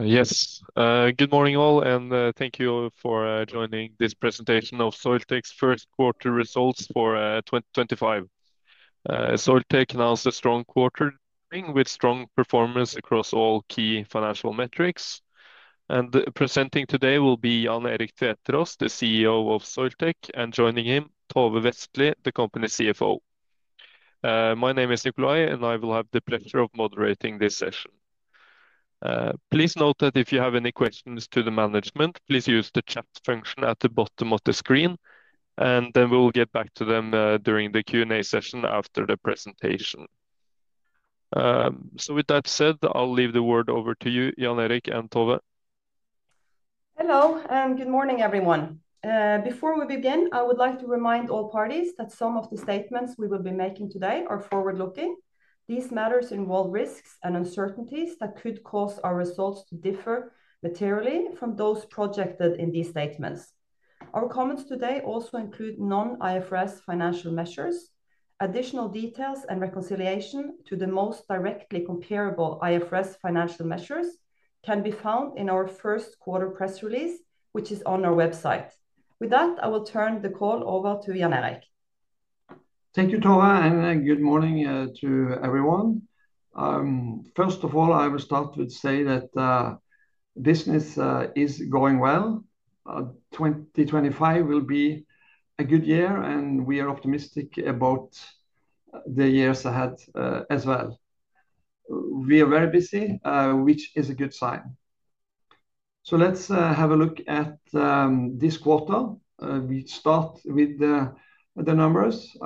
Yes. Good morning, all, and thank you for joining this presentation of Soiltech's first quarter results for 2025. Soiltech announced a strong quarter with strong performance across all key financial metrics. Presenting today will be Jan Erik Tveteraas, the CEO of Soiltech, and joining him, Tove Vestlie, the company's CFO. My name is Nicolai, and I will have the pleasure of moderating this session. Please note that if you have any questions to the management, please use the chat function at the bottom of the screen, and then we'll get back to them during the Q&A session after the presentation. With that said, I'll leave the word over to you, Jan Erik and Tove. Hello, and good morning, everyone. Before we begin, I would like to remind all parties that some of the statements we will be making today are forward-looking. These matters involve risks and uncertainties that could cause our results to differ materially from those projected in these statements. Our comments today also include non-IFRS financial measures. Additional details and reconciliation to the most directly comparable IFRS financial measures can be found in our first quarter press release, which is on our website. With that, I will turn the call over to Jan Erik. Thank you, Tove, and good morning to everyone. First of all, I will start with saying that business is going well. 2025 will be a good year, and we are optimistic about the years ahead as well. We are very busy, which is a good sign. Let's have a look at this quarter. We start with the numbers.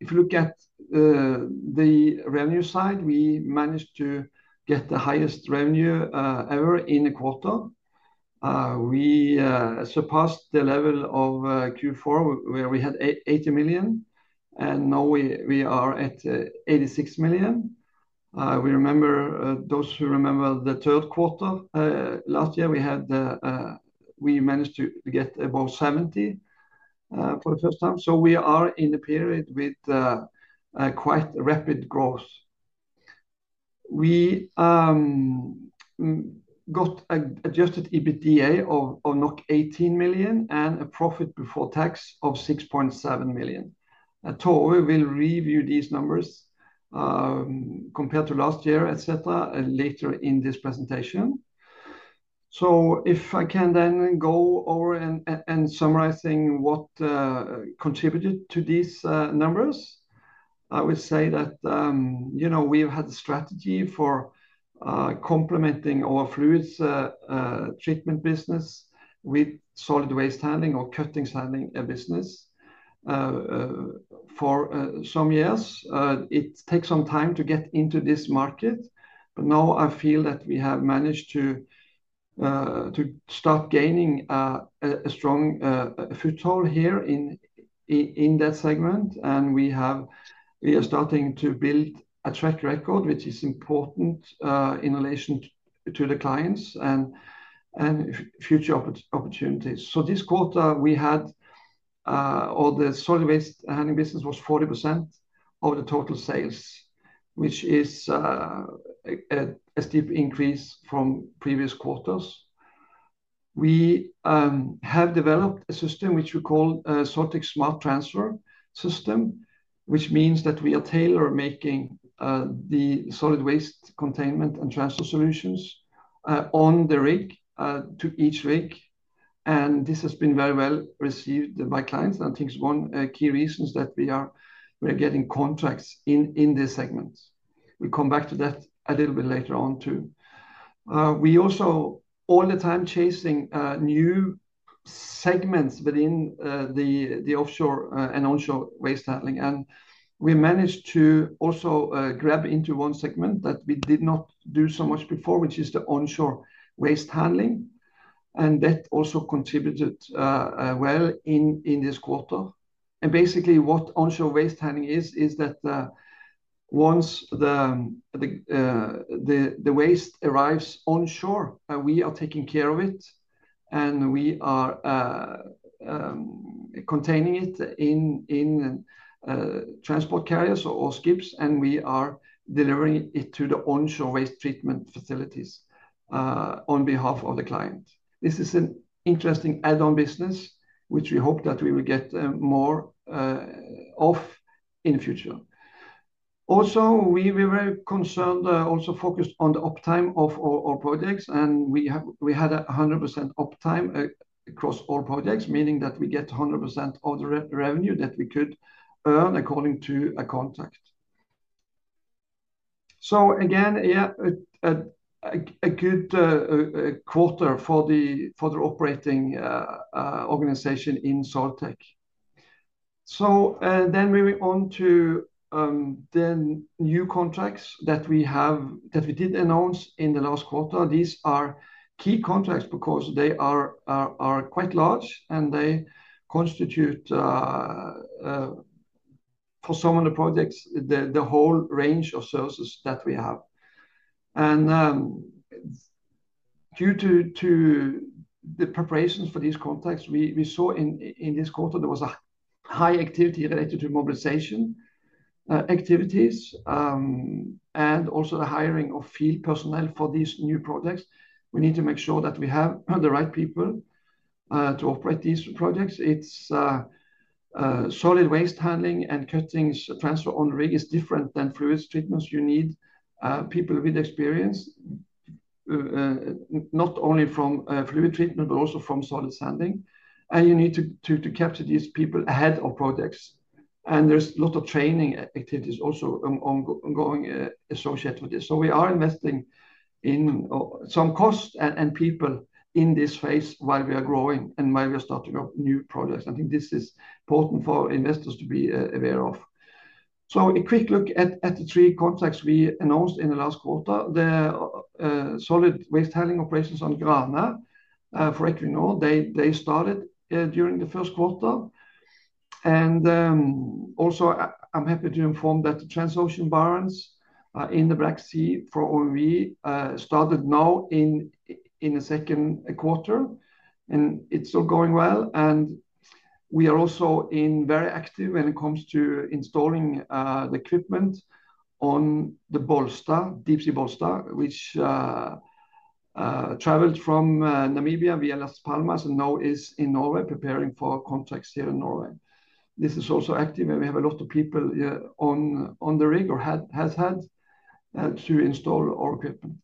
If you look at the revenue side, we managed to get the highest revenue ever in a quarter. We surpassed the level of Q4, where we had 80 million, and now we are at 86 million. We remember those who remember the third quarter last year, we managed to get above 70 million for the first time. We are in a period with quite rapid growth. We got an adjusted EBITDA of 18 million and a profit before tax of 6.7 million. Tove will review these numbers compared to last year, etc., later in this presentation. If I can then go over and summarize what contributed to these numbers, I would say that we've had a strategy for complementing our fluids treatment business with solid waste handling or cuttings handling business for some years. It takes some time to get into this market, but now I feel that we have managed to start gaining a strong foothold here in that segment, and we are starting to build a track record, which is important in relation to the clients and future opportunities. This quarter, we had all the solid waste handling business was 40% of the total sales, which is a steep increase from previous quarters. We have developed a system which we call a Soiltech Smart Transfer System, which means that we are tailor-making the solid waste containment and transfer solutions on the rig to each rig, and this has been very well received by clients. I think one key reason is that we are getting contracts in this segment. We will come back to that a little bit later on too. We are also all the time chasing new segments within the offshore and onshore waste handling, and we managed to also grab into one segment that we did not do so much before, which is the onshore waste handling, and that also contributed well in this quarter. Basically, what onshore waste handling is, is that once the waste arrives onshore, we are taking care of it, and we are containing it in transport carriers or skips, and we are delivering it to the onshore waste treatment facilities on behalf of the client. This is an interesting add-on business, which we hope that we will get more of in the future. Also, we were very concerned, also focused on the uptime of our projects, and we had 100% uptime across all projects, meaning that we get 100% of the revenue that we could earn according to a contract. Yeah, a good quarter for the operating organization in Soiltech. Then moving on to the new contracts that we did announce in the last quarter, these are key contracts because they are quite large, and they constitute, for some of the projects, the whole range of services that we have. Due to the preparations for these contracts, we saw in this quarter there was a high activity related to mobilization activities and also the hiring of field personnel for these new projects. We need to make sure that we have the right people to operate these projects. Solid waste handling and cuttings transfer on the rig is different than fluids treatments. You need people with experience, not only from fluid treatment, but also from solid sanding. You need to capture these people ahead of projects. There is a lot of training activities also ongoing associated with this. We are investing in some cost and people in this phase while we are growing and while we are starting up new projects. I think this is important for investors to be aware of. A quick look at the three contracts we announced in the last quarter. The solid waste handling operations on Grane for Equinor, they started during the first quarter. Also, I'm happy to inform that the Transocean Barents in the Black Sea for OMV started now in the second quarter, and it's still going well. We are also very active when it comes to installing the equipment on the Deepsea Bollsta, which traveled from Namibia via Las Palmas and now is in Norway, preparing for contracts here in Norway. This is also active, and we have a lot of people on the rig or have had to install our equipment.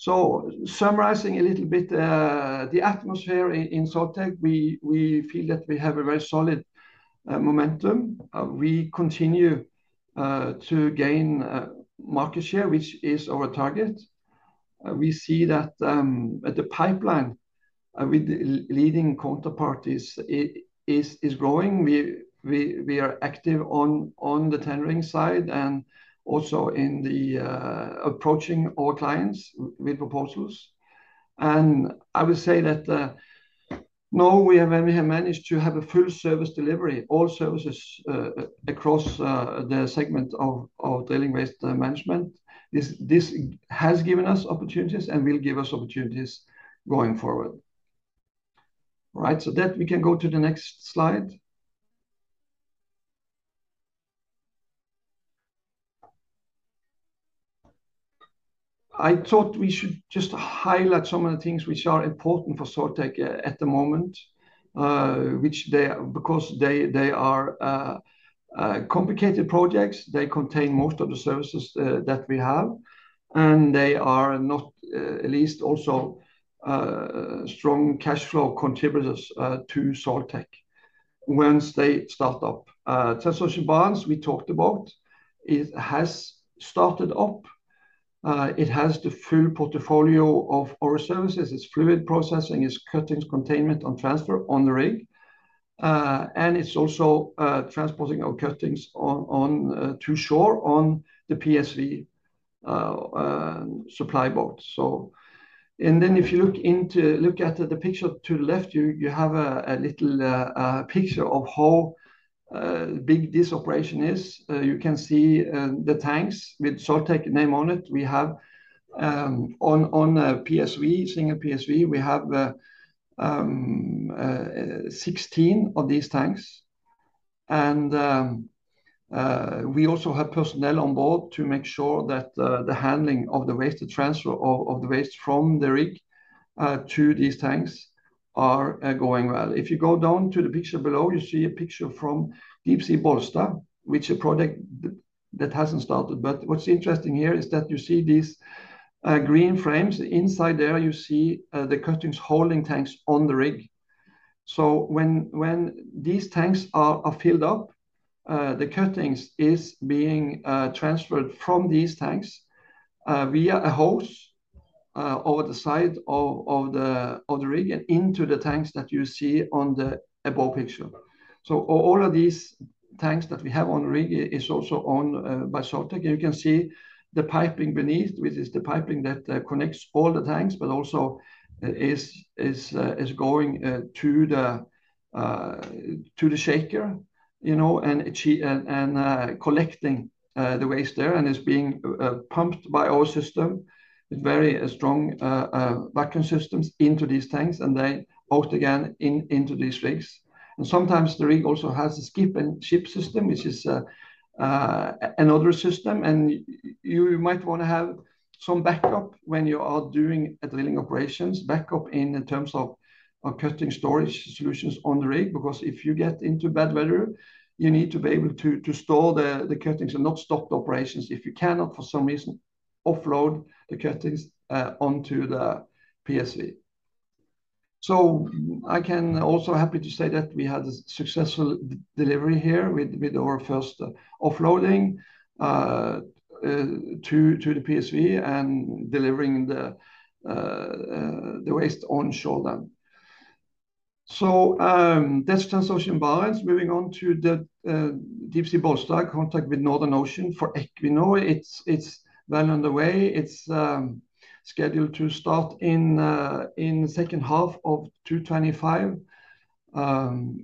Summarizing a little bit the atmosphere in Soiltech, we feel that we have a very solid momentum. We continue to gain market share, which is our target. We see that the pipeline with the leading counterparties is growing. We are active on the tendering side and also in approaching our clients with proposals. I would say that now we have managed to have a full service delivery, all services across the segment of drilling waste management. This has given us opportunities and will give us opportunities going forward. All right, that we can go to the next slide. I thought we should just highlight some of the things which are important for Soiltech at the moment, which because they are complicated projects, they contain most of the services that we have, and they are not at least also strong cash flow contributors to Soiltech once they start up. Transocean Barents we talked about, it has started up. It has the full portfolio of our services. It's fluid processing, it's cuttings containment and transfer on the rig, and it's also transporting our cuttings to shore on the PSV supply boat. If you look at the picture to the left, you have a little picture of how big this operation is. You can see the tanks with Soiltech name on it. We have on a single PSV, we have 16 of these tanks. We also have personnel on board to make sure that the handling of the waste, the transfer of the waste from the rig to these tanks are going well. If you go down to the picture below, you see a picture from Deepsea Bollsta, which is a project that has not started. What is interesting here is that you see these green frames inside there, you see the cuttings holding tanks on the rig. When these tanks are filled up, the cuttings are being transferred from these tanks via a hose over the side of the rig and into the tanks that you see on the above picture. All of these tanks that we have on the rig are also owned by Soiltech. You can see the piping beneath, which is the piping that connects all the tanks, but also is going to the shaker and collecting the waste there and is being pumped by our system, very strong vacuum systems into these tanks and then out again into these rigs. Sometimes the rig also has a skip and ship system, which is another system. You might want to have some backup when you are doing drilling operations, backup in terms of cutting storage solutions on the rig, because if you get into bad weather, you need to be able to store the cuttings and not stop the operations. If you cannot for some reason offload the cuttings onto the PSV. I can also be happy to say that we had a successful delivery here with our first offloading to the PSV and delivering the waste on shore then. That's Transocean Barents. Moving on to the Deepsea Bollsta contract with Northern Ocean for Equinor. It's well underway. It's scheduled to start in the second half of 2025.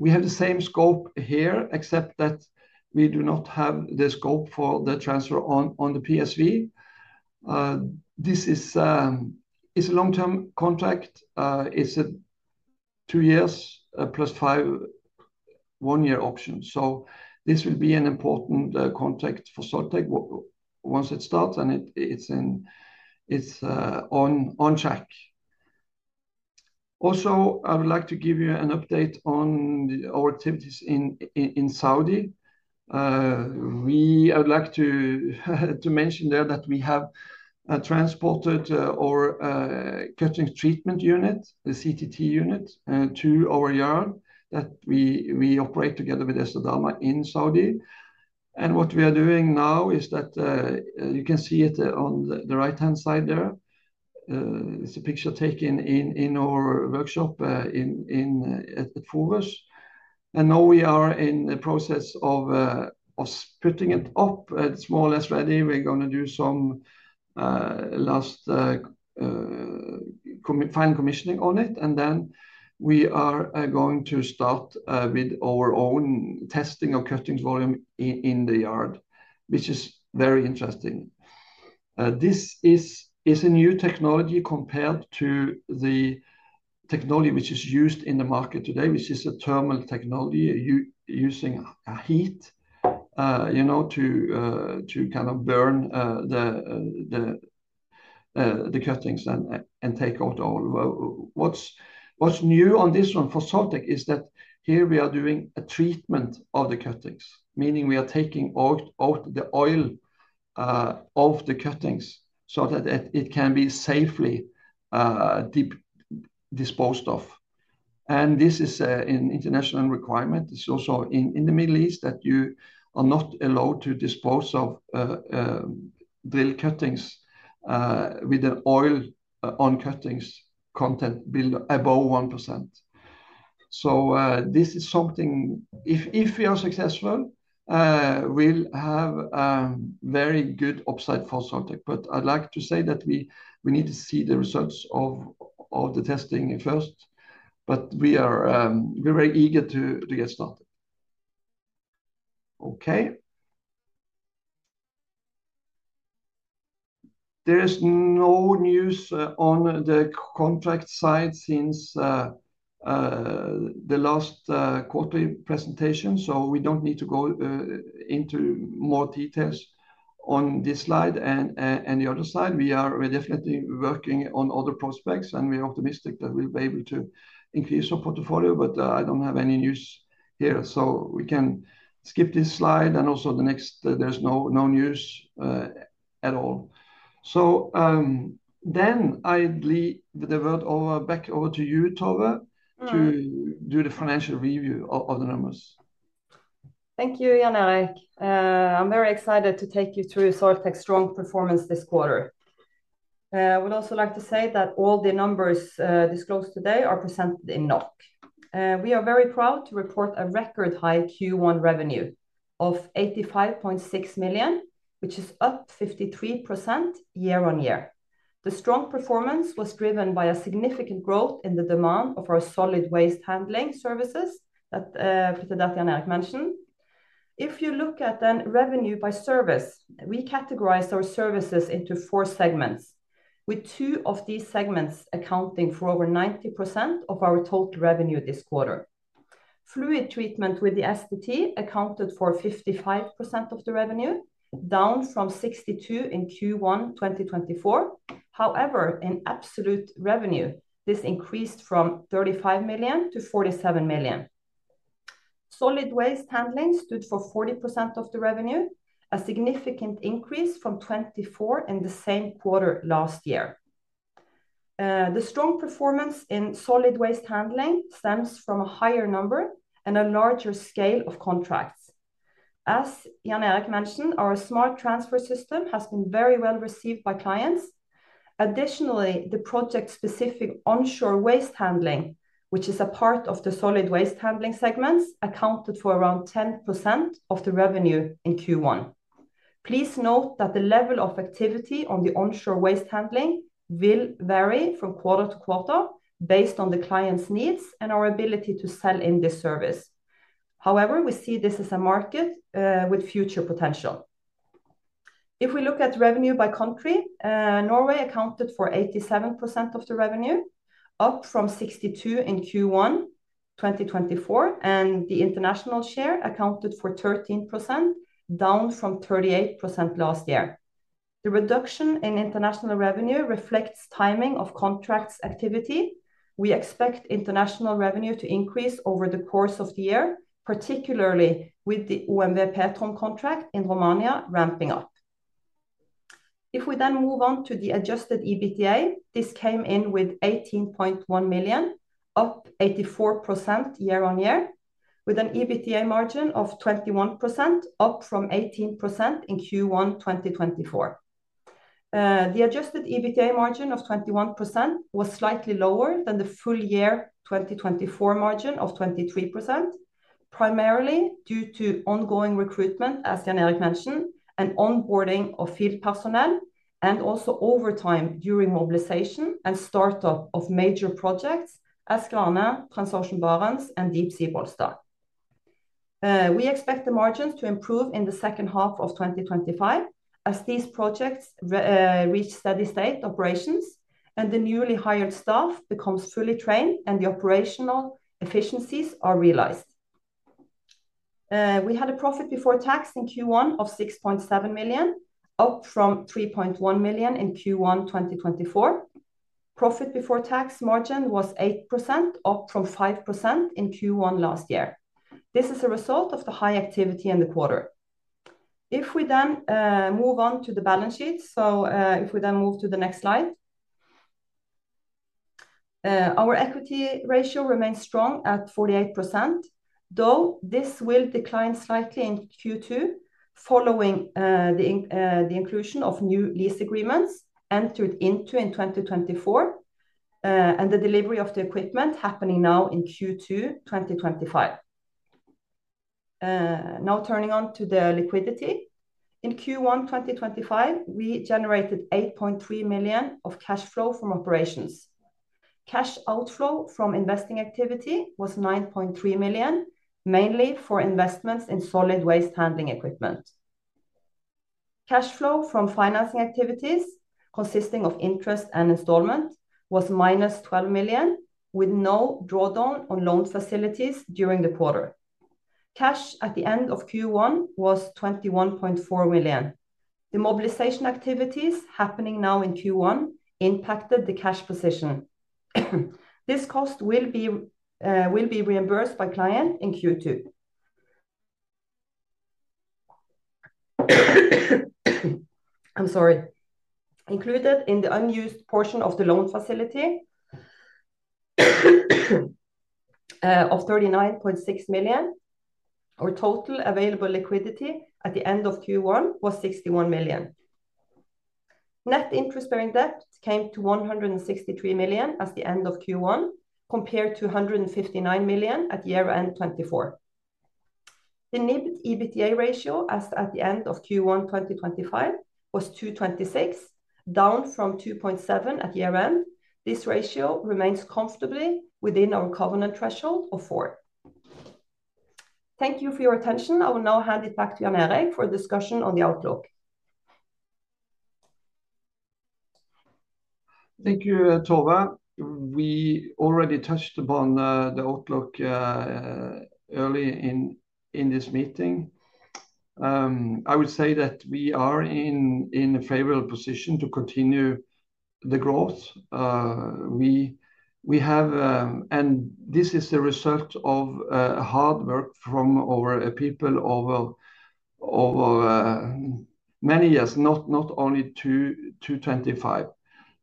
We have the same scope here, except that we do not have the scope for the transfer on the PSV. This is a long-term contract. It's a two years plus five one-year option. This will be an important contract for Soiltech once it starts and it's on track. Also, I would like to give you an update on our activities in Saudi. I would like to mention there that we have transported our Cuttings Treatment Technology unit, the CTT unit, to our yard that we operate together with Esthederm in Saudi. What we are doing now is that you can see it on the right-hand side there. It's a picture taken in our workshop at Fogos. We are in the process of putting it up. It's more or less ready. We're going to do some last final commissioning on it, and then we are going to start with our own testing of cuttings volume in the yard, which is very interesting. This is a new technology compared to the technology which is used in the market today, which is a thermal technology using heat to kind of burn the cuttings and take out all. What's new on this one for Soiltech is that here we are doing a treatment of the cuttings, meaning we are taking out the oil of the cuttings so that it can be safely disposed of. This is an international requirement. It's also in the Middle East that you are not allowed to dispose of drill cuttings with an oil on cuttings content above 1%. This is something, if we are successful, we'll have very good upside for Soiltech. I'd like to say that we need to see the results of the testing first, but we're very eager to get started. There is no news on the contract side since the last quarterly presentation, so we don't need to go into more details on this slide. On the other side, we are definitely working on other prospects, and we're optimistic that we'll be able to increase our portfolio, but I don't have any news here. We can skip this slide, and also the next, there's no news at all. I'd like to give the word back over to you, Tove, to do the financial review of the numbers. Thank you, Jan Erik. I'm very excited to take you through Soiltech's strong performance this quarter. I would also like to say that all the numbers disclosed today are presented in NOK. We are very proud to report a record high Q1 revenue of 85.6 million, which is up 53% year on year. The strong performance was driven by a significant growth in the demand of our solid waste handling services that Jan Erik mentioned. If you look at then revenue by service, we categorize our services into four segments, with two of these segments accounting for over 90% of our total revenue this quarter. Fluid treatment with the STT accounted for 55% of the revenue, down from 62% in Q1 2024. However, in absolute revenue, this increased from 35 million to 47 million. Solid waste handling stood for 40% of the revenue, a significant increase from 24% in the same quarter last year. The strong performance in solid waste handling stems from a higher number and a larger scale of contracts. As Jan Erik mentioned, our Smart Transfer System has been very well received by clients. Additionally, the project-specific onshore waste handling, which is a part of the solid waste handling segments, accounted for around 10% of the revenue in Q1. Please note that the level of activity on the onshore waste handling will vary from quarter to quarter based on the client's needs and our ability to sell in this service. However, we see this as a market with future potential. If we look at revenue by country, Norway accounted for 87% of the revenue, up from 62% in Q1 2024, and the international share accounted for 13%, down from 38% last year. The reduction in international revenue reflects timing of contracts activity. We expect international revenue to increase over the course of the year, particularly with the OMV Petrom contract in Romania ramping up. If we then move on to the adjusted EBITDA, this came in with 18.1 million, up 84% year on year, with an EBITDA margin of 21%, up from 18% in Q1 2024. The adjusted EBITDA margin of 21% was slightly lower than the full year 2024 margin of 23%, primarily due to ongoing recruitment, as Jan Erik mentioned, and onboarding of field personnel, and also overtime during mobilization and startup of major projects as Grane, Transocean Barents, and Deepsea Bollsta. We expect the margins to improve in the second half of 2025 as these projects reach steady state operations and the newly hired staff becomes fully trained and the operational efficiencies are realized. We had a profit before tax in Q1 of 6.7 million, up from 3.1 million in Q1 2024. Profit before tax margin was 8%, up from 5% in Q1 last year. This is a result of the high activity in the quarter. If we then move on to the balance sheet, so if we then move to the next slide, our equity ratio remains strong at 48%, though this will decline slightly in Q2 following the inclusion of new lease agreements entered into in 2024 and the delivery of the equipment happening now in Q2 2025. Now turning on to the liquidity. In Q1 2025, we generated 8.3 million of cash flow from operations. Cash outflow from investing activity was 9.3 million, mainly for investments in solid waste handling equipment. Cash flow from financing activities consisting of interest and installment was -12 million, with no drawdown on loan facilities during the quarter. Cash at the end of Q1 was 21.4 million. The mobilization activities happening now in Q1 impacted the cash position. This cost will be reimbursed by client in Q2. I'm sorry. Included in the unused portion of the loan facility of 39.6 million, our total available liquidity at the end of Q1 was 61 million. Net interest-bearing debt came to 163 million at the end of Q1, compared to 159 million at year-end 2024. The NIBT EBITDA ratio at the end of Q1 2025 was 2.26, down from 2.7 at year-end. This ratio remains comfortably within our covenant threshold of 4. Thank you for your attention. I will now hand it back to Jan Erik for a discussion on the outlook. Thank you, Tove. We already touched upon the outlook early in this meeting. I would say that we are in a favorable position to continue the growth. We have, and this is a result of hard work from our people over many years, not only to 2025,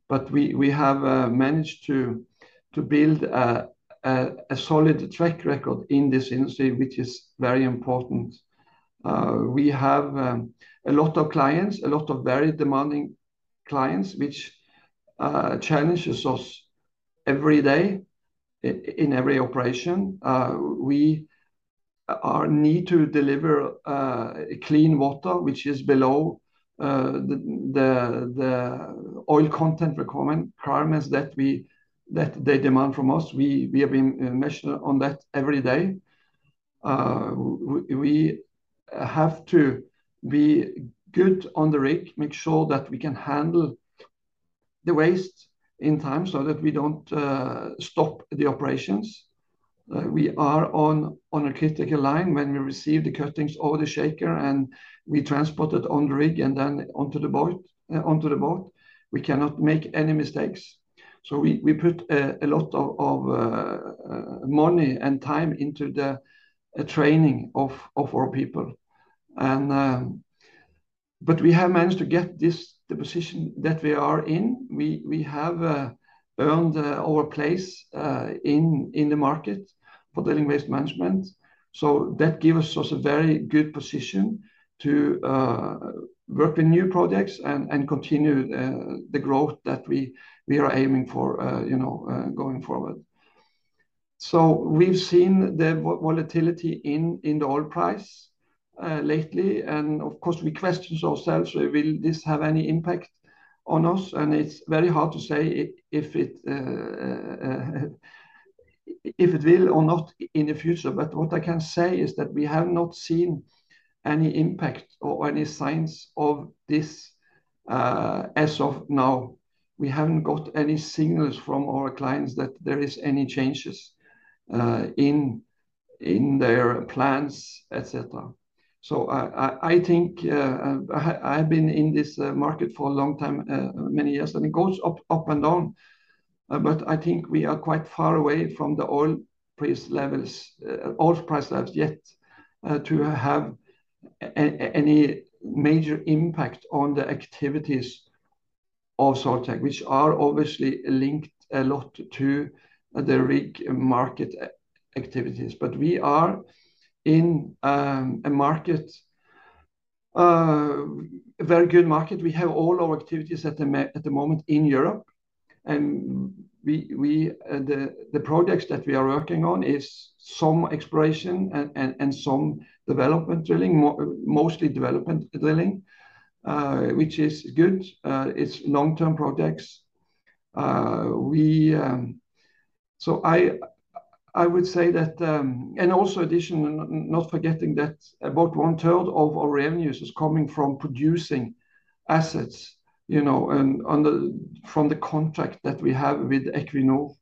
but we have managed to build a solid track record in this industry, which is very important. We have a lot of clients, a lot of very demanding clients, which challenges us every day in every operation. We need to deliver clean water, which is below the oil content requirements that they demand from us. We have been mentioned on that every day. We have to be good on the rig, make sure that we can handle the waste in time so that we do not stop the operations. We are on a critical line when we receive the cuttings over the shaker and we transport it on the rig and then onto the boat. We cannot make any mistakes. We put a lot of money and time into the training of our people. We have managed to get the position that we are in. We have earned our place in the market for drilling waste management. That gives us a very good position to work with new projects and continue the growth that we are aiming for going forward. We have seen the volatility in the oil price lately, and of course, we question ourselves, will this have any impact on us? It is very hard to say if it will or not in the future. What I can say is that we have not seen any impact or any signs of this as of now. We haven't got any signals from our clients that there are any changes in their plans, etc. I think I have been in this market for a long time, many years, and it goes up and down. I think we are quite far away from the oil price levels yet to have any major impact on the activities of Soiltech, which are obviously linked a lot to the rig market activities. We are in a market, a very good market. We have all our activities at the moment in Europe. The projects that we are working on are some exploration and some development drilling, mostly development drilling, which is good. It's long-term projects. I would say that, and also additionally, not forgetting that about one-third of our revenues is coming from producing assets from the contract that we have with Equinor.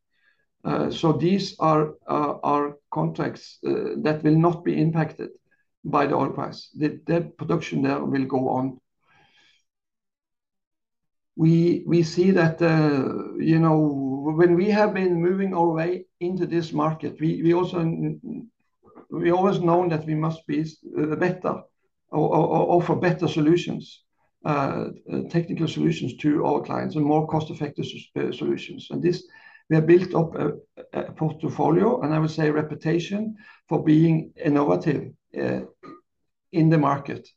These are our contracts that will not be impacted by the oil price. The production there will go on. We see that when we have been moving our way into this market, we always know that we must offer better solutions, technical solutions to our clients, and more cost-effective solutions. We have built up a portfolio, and I would say reputation for being innovative in the market.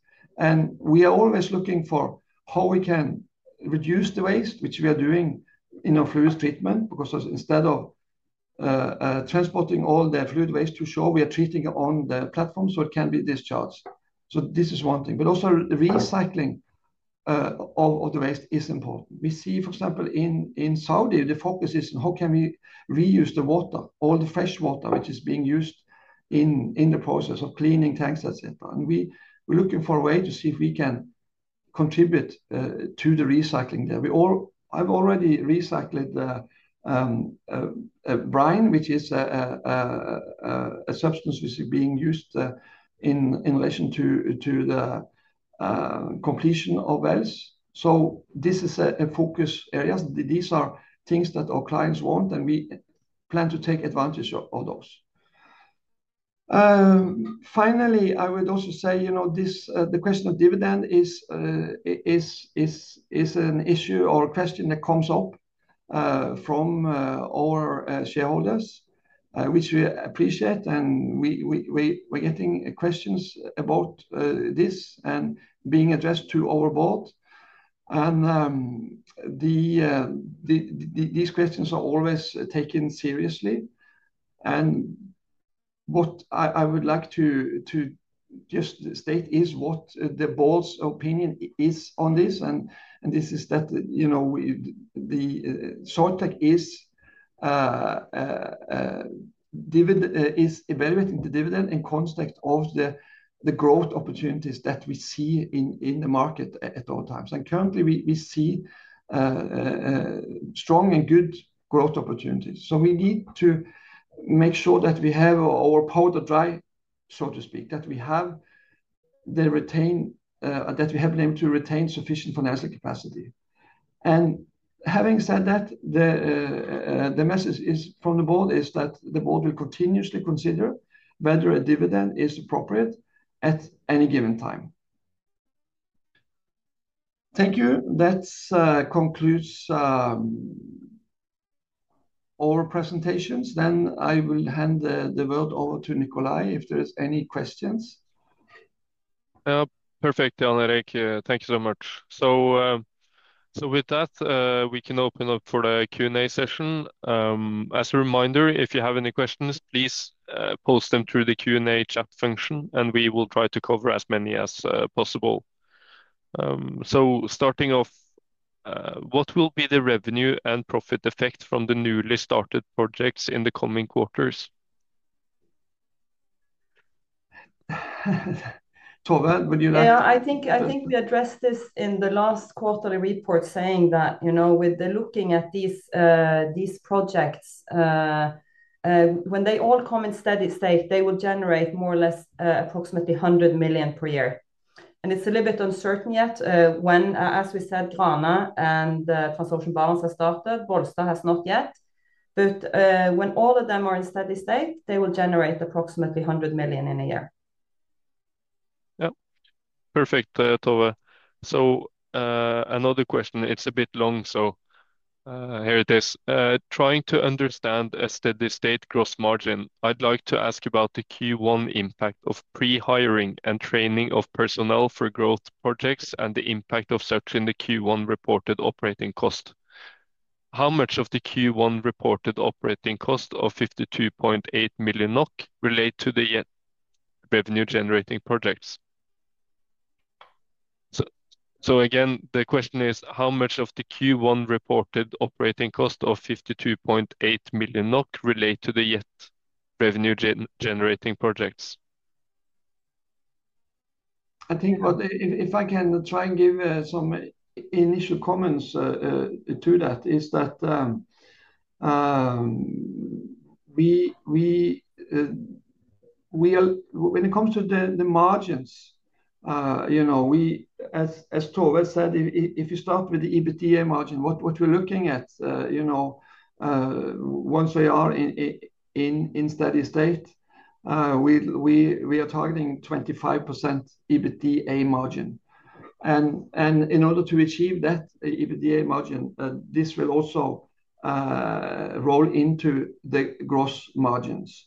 We are always looking for how we can reduce the waste, which we are doing in our fluid treatment, because instead of transporting all the fluid waste to shore, we are treating it on the platform so it can be discharged. This is one thing. Also, recycling of the waste is important. We see, for example, in Saudi, the focus is on how can we reuse the water, all the fresh water which is being used in the process of cleaning tanks, etc. We're looking for a way to see if we can contribute to the recycling there. I've already recycled brine, which is a substance which is being used in relation to the completion of wells. This is a focus area. These are things that our clients want, and we plan to take advantage of those. Finally, I would also say the question of dividend is an issue or a question that comes up from our shareholders, which we appreciate, and we're getting questions about this and being addressed to our board. These questions are always taken seriously. What I would like to just state is what the board's opinion is on this. This is that Soiltech is evaluating the dividend in context of the growth opportunities that we see in the market at all times. Currently, we see strong and good growth opportunities. We need to make sure that we have our powder dry, so to speak, that we have been able to retain sufficient financial capacity. Having said that, the message from the board is that the board will continuously consider whether a dividend is appropriate at any given time. Thank you. That concludes our presentations. I will hand the word over to Nicolai if there are any questions. Perfect, Jan Erik. Thank you so much. With that, we can open up for the Q&A session. As a reminder, if you have any questions, please post them through the Q&A chat function, and we will try to cover as many as possible. Starting off, what will be the revenue and profit effect from the newly started projects in the coming quarters? Tove, would you like to? Yeah, I think we addressed this in the last quarterly report saying that with looking at these projects, when they all come in steady state, they will generate more or less approximately 100 million per year. It is a little bit uncertain yet when, as we said, Grane and Transocean Barns have started, Bolster has not yet. When all of them are in steady state, they will generate approximately 100 million in a year. Yeah. Perfect, Tove. Another question. It is a bit long, so here it is. Trying to understand a steady state gross margin, I'd like to ask about the Q1 impact of pre-hiring and training of personnel for growth projects and the impact of such in the Q1 reported operating cost. How much of the Q1 reported operating cost of 52.8 million NOK relates to the yet revenue-generating projects? Again, the question is, how much of the Q1 reported operating cost of 52.8 million NOK relates to the yet revenue-generating projects? I think if I can try and give some initial comments to that, is that when it comes to the margins, as Tove said, if you start with the EBITDA margin, what we're looking at once we are in steady state, we are targeting 25% EBITDA margin. In order to achieve that EBITDA margin, this will also roll into the gross margins.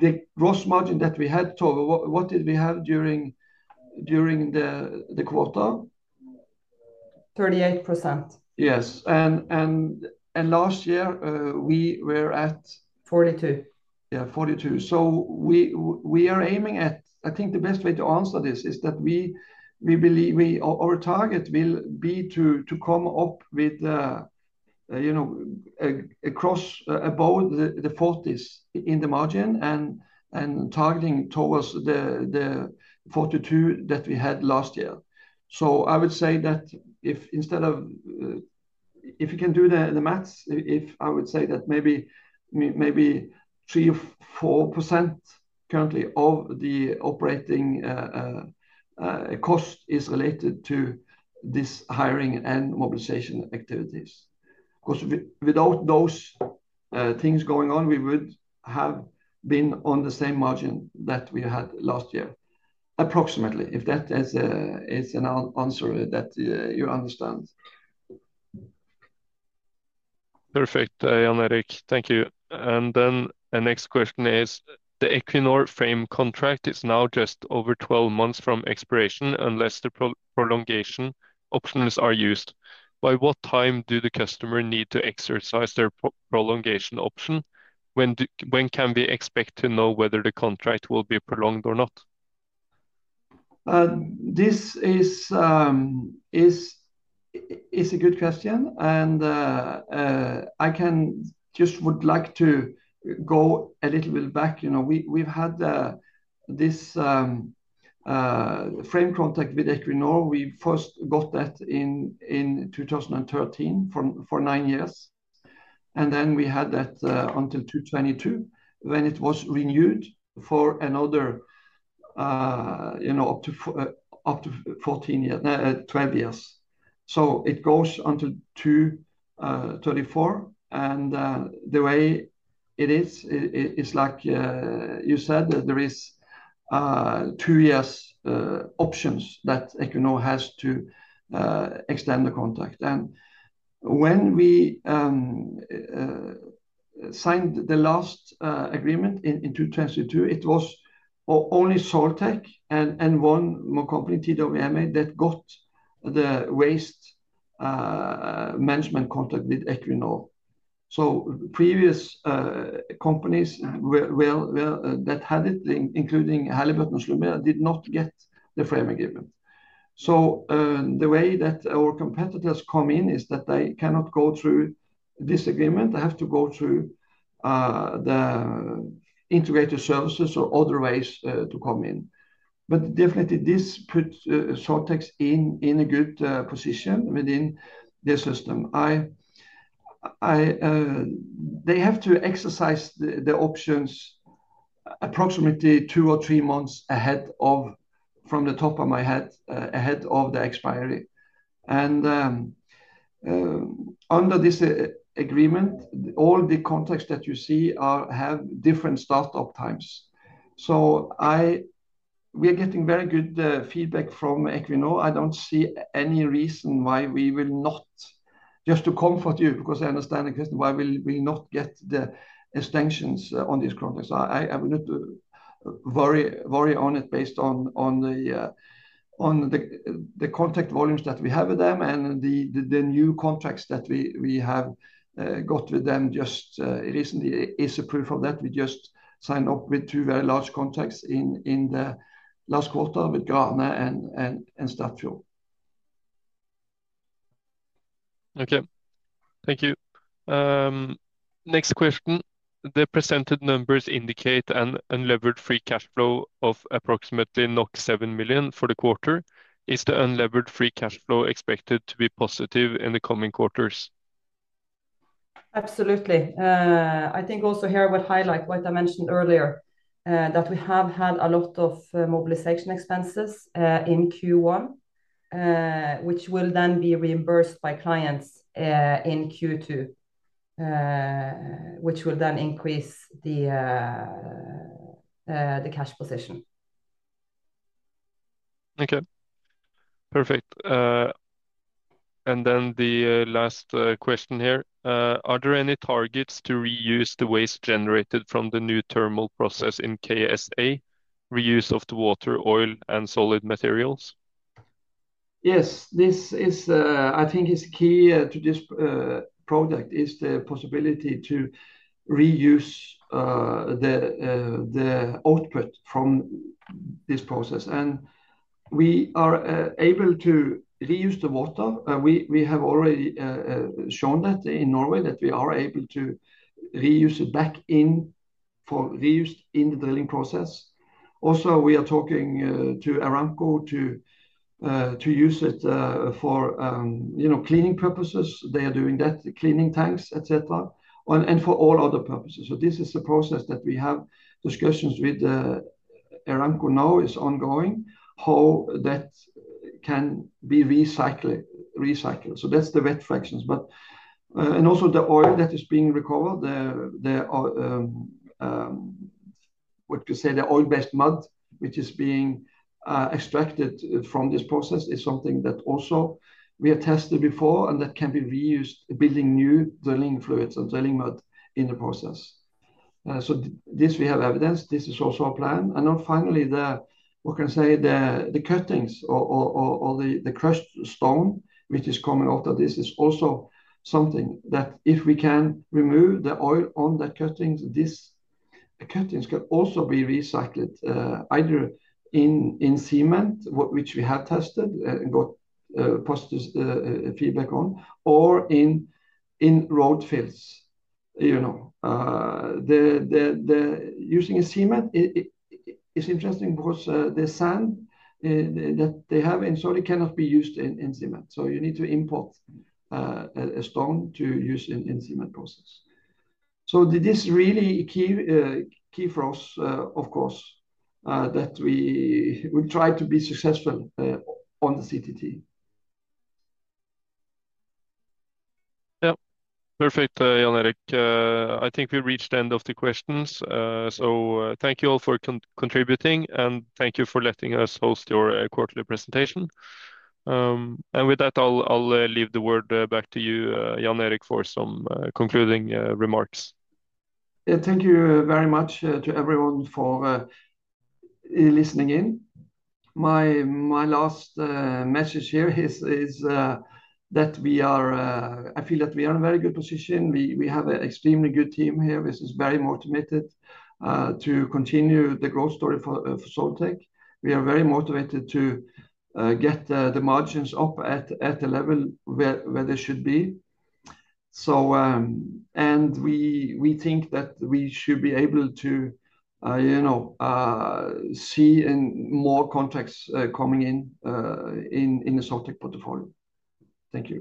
The gross margin that we had, Tove, what did we have during the quarter? 38%. Yes. Last year, we were at 42%. Yeah, 42%. We are aiming at, I think the best way to answer this is that our target will be to come up with across above the 40s in the margin and targeting towards the 42% that we had last year. I would say that if instead of if you can do the maths, I would say that maybe 3% or 4% currently of the operating cost is related to this hiring and mobilization activities. Because without those things going on, we would have been on the same margin that we had last year, approximately, if that is an answer that you understand. Perfect, Jan Erik. Thank you. The next question is, the Equinor frame contract is now just over 12 months from expiration unless the prolongation options are used. By what time do the customer need to exercise their prolongation option? When can we expect to know whether the contract will be prolonged or not? This is a good question. I just would like to go a little bit back. We've had this frame contract with Equinor. We first got that in 2013 for nine years. We had that until 2022, when it was renewed for another up to 12 years. It goes until 2024. The way it is, like you said, there are two years options that Equinor has to extend the contract. When we signed the last agreement in 2023, it was only Soiltech and one more company, TWMA, that got the waste management contract with Equinor. Previous companies that had it, including Halliburton and Schlumberger, did not get the frame agreement. The way that our competitors come in is that they cannot go through this agreement. They have to go through the integrated services or other ways to come in. Definitely, this puts Soiltech in a good position within their system. They have to exercise the options approximately two or three months ahead of, from the top of my head, ahead of the expiry. Under this agreement, all the contracts that you see have different start-up times. We are getting very good feedback from Equinor. I do not see any reason why we will not, just to comfort you, because I understand the question, why we will not get the extensions on these contracts. I would not worry on it based on the contract volumes that we have with them. The new contracts that we have got with them just recently is a proof of that. We just signed up with two very large contracts in the last quarter with Grane and Statsfield. Okay. Thank you. Next question. The presented numbers indicate an unlevered free cash flow of approximately 7 million for the quarter. Is the unlevered free cash flow expected to be positive in the coming quarters? Absolutely. I think also here I would highlight what I mentioned earlier, that we have had a lot of mobilization expenses in Q1, which will then be reimbursed by clients in Q2, which will then increase the cash position. Okay. Perfect. The last question here. Are there any targets to reuse the waste generated from the new thermal process in KSA, reuse of the water, oil, and solid materials? Yes. I think it's key to this project is the possibility to reuse the output from this process. We are able to reuse the water. We have already shown that in Norway that we are able to reuse it back in for reuse in the drilling process. Also, we are talking to Aramco to use it for cleaning purposes. They are doing that, cleaning tanks, etc., and for all other purposes. This is the process that we have discussions with Aramco now is ongoing, how that can be recycled. That is the wet fractions. Also, the oil that is being recovered, what you say, the oil-based mud, which is being extracted from this process, is something that also we have tested before and that can be reused building new drilling fluids and drilling mud in the process. This we have evidence. This is also our plan. Finally, we can say the cuttings or the crushed stone, which is coming after this, is also something that if we can remove the oil on that cuttings, these cuttings can also be recycled either in cement, which we have tested and got positive feedback on, or in road fills. Using a cement is interesting because the sand that they have in Saudi cannot be used in cement. You need to import a stone to use in the cement process. This is really key for us, of course, that we will try to be successful on the CTT. Yeah. Perfect, Jan Erik. I think we reached the end of the questions. Thank you all for contributing, and thank you for letting us host your quarterly presentation. With that, I'll leave the word back to you, Jan Erik, for some concluding remarks. Yeah, thank you very much to everyone for listening in. My last message here is that I feel that we are in a very good position. We have an extremely good team here. This is very motivated to continue the growth story for Soiltech. We are very motivated to get the margins up at the level where they should be. We think that we should be able to see more contracts coming in in the Soiltech portfolio. Thank you.